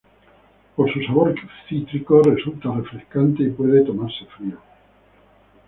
Por su sabor cítrico, resulta refrescante y puede tomarse frío.